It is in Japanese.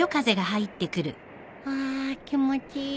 あ気持ちいい。